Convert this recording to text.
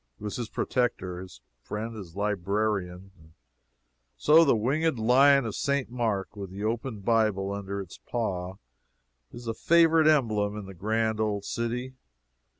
It was his protector, his friend, his librarian. And so the Winged Lion of St. Mark, with the open Bible under his paw, is a favorite emblem in the grand old city.